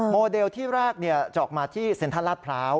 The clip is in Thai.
โมเดลที่แรกจะออกมาที่เซ็นทรัลลาดพร้าว